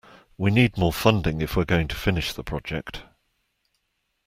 We need more funding if we're going to finish the project.